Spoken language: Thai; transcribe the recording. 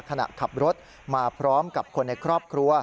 ขณะขับรถมาพร้อมกับคนในครอบครัว